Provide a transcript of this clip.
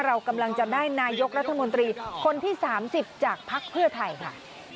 เรากำลังจะได้นายกรัฐมนตรีคนที่๓๐จากภักดิ์เพื่อไทยค่ะ